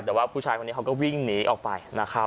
แต่ผู้ชายคนนี้ก็วิ่งหนีออกไป